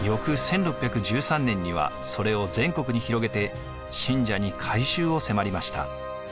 翌１６１３年にはそれを全国に広げて信者に改宗を迫りました。